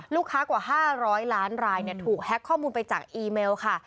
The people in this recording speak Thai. ลูกค้ากว่า๕๐๐ล้านรายถูกแฮ็กข้อมูลไปจากอีเมลค่ะ